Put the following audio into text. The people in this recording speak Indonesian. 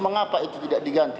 mengapa itu tidak diganti